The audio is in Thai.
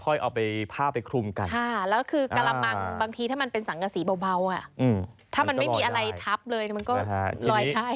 ค่ะแล้วก็คือกระมังบางทีถ้ามันเป็นสังกะสีเบาถ้ามันไม่มีอะไรทับเลยมันก็ลอยได้นะ